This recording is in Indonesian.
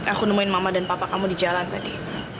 aku nemuin mama dan papa kamu di jalan tadi